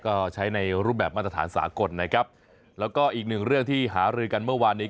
ก็ใช้ในรูปแบบมาตรฐานสากลนะครับแล้วก็อีกหนึ่งเรื่องที่หารือกันเมื่อวานนี้